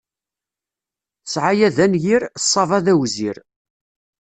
Ssɛaya d anyir, ṣṣaba d awzir.